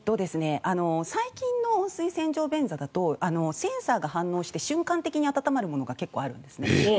最近の温水洗浄便座だとセンサーが反応して瞬間的に温まるものが結構あるんです。